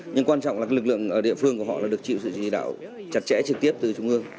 nhưng quan trọng là lực lượng ở địa phương của họ là được chịu sự chỉ đạo chặt chẽ trực tiếp từ trung ương